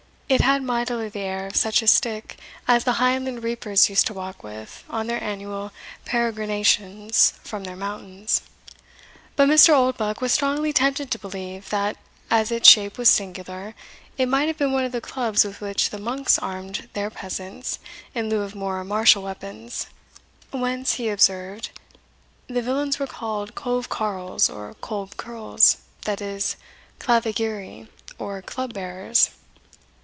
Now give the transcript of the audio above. It had mightily the air of such a stick as the Highland reapers use to walk with on their annual peregrinations from their mountains; but Mr. Oldbuck was strongly tempted to believe, that, as its shape was singular, it might have been one of the clubs with which the monks armed their peasants in lieu of more martial weapons, whence, he observed, the villains were called Colve carles, or Kolb kerls, that is, Clavigeri, or club bearers.